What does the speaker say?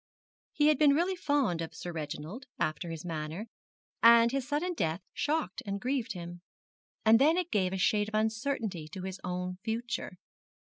He had been really fond of Sir Reginald, after his manner, and his sudden death shocked and grieved him. And then it gave a shade of uncertainty to his own future.